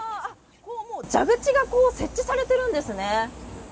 蛇口が設置されてるんですね。